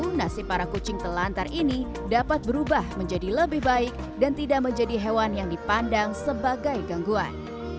tentu nasib para kucing telantar ini dapat berubah menjadi lebih baik dan tidak menjadi hewan yang dipandang sebagai gangguan